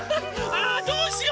ああどうしよう！